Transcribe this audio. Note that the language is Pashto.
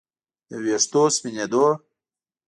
د ویښتو سپینېدو